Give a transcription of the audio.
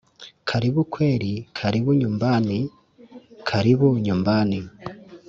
karibu kwelu karibu nyumbani karibu nyumbani